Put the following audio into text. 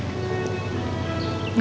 apa sih misalnya